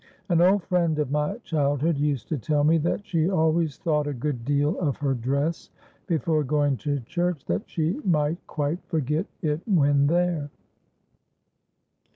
An old friend of my childhood used to tell me that she always thought a good deal of her dress before going to church, that she might quite forget it when there.